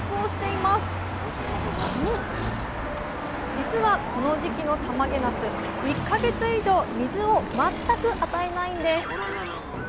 じつはこの時期のたまげなす１か月以上水を全く与えないんです。